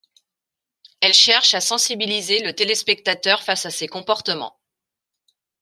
Elle cherche à sensibiliser le téléspectateur face à ces comportements.